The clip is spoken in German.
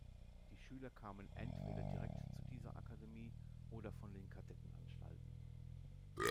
Die Schüler kamen entweder direkt zu dieser Akademie oder von den Kadettenanstalten.